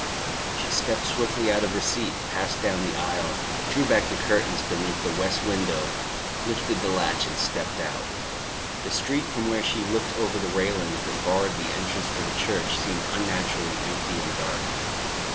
She stepped swiftly out of her seat, passed down the aisle, drew back the curtains beneath the west window, lifted the latch and stepped out. The street, from where she looked over the railings that barred the entrance to the church, seemed unusually empty and dark.